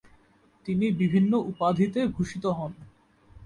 তিনি বিভিন্ন উপাধিতে ভূষিত হন।